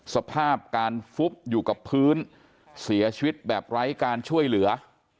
สภาพการฟุบอยู่กับพื้นเสียชีวิตแบบไร้การช่วยเหลือ